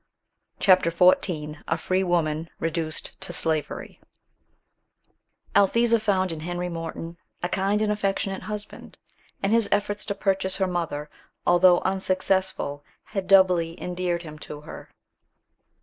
CHAPTER XIV A FREE WOMAN REDUCED TO SLAVERY ALTHESA found in Henry Morton a kind and affectionate husband; and his efforts to purchase her mother, although unsuccessful, had doubly endeared him to her.